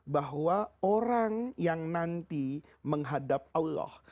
bahwa orang yang nanti menghadap allah